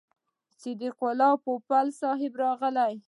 صدیق الله پوپل صاحب راغی.